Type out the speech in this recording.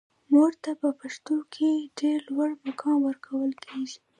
مور ته په پښتنو کې ډیر لوړ مقام ورکول کیږي.